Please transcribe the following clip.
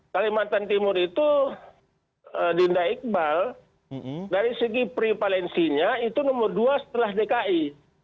kalimantan timur itu dinda iqbal dari segi prevalensinya itu nomor dua setelah dki